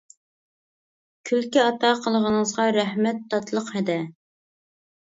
كۈلكە ئاتا قىلغىنىڭىزغا رەھمەت تاتلىق ھەدە.